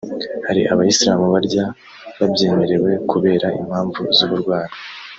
hari Abayisilamu barya babyemerewe kubera impamvu z’uburwayi